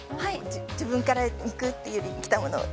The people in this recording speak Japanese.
自分から行くというよりも、来たものを。